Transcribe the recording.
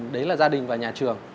đấy là gia đình và nhà trường